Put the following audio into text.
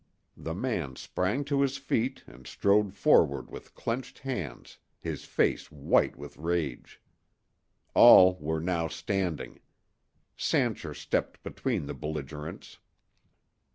The man sprang to his feet and strode forward with clenched hands, his face white with rage. All were now standing. Sancher stepped between the belligerents.